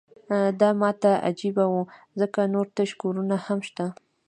دا ماته عجیبه وه ځکه نور تش کورونه هم شته